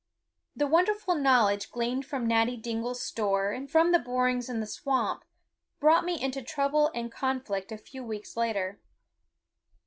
The wonderful knowledge gleaned from Natty Dingle's store and from the borings in the swamp brought me into trouble and conflict a few weeks later.